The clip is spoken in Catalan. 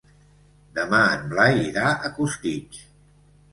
Demà en Blai irà a Costitx.